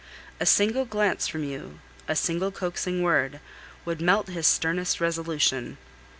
A single glance from you, a single coaxing word, would melt his sternest resolution.